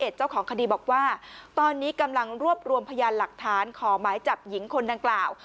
เจ้าของคดีบอกว่าตอนนี้กำลังรวบรวมพยานหลักฐานขอหมายจับหญิงคนดังกล่าว